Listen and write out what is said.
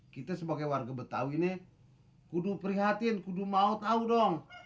kita sebagai warga betawi nih kudu prihatin kudu mau tahu dong